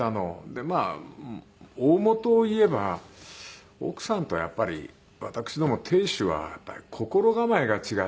でまあ大元を言えば奥さんとやっぱり私ども亭主は心構えが違って。